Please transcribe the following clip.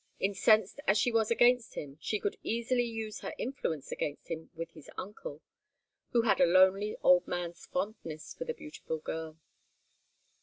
Incensed as she was against him, she could easily use her influence against him with his uncle, who had a lonely old man's fondness for the beautiful girl.